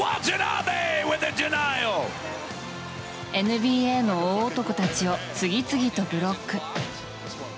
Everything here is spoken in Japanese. ＮＢＡの大男たちを次々とブロック。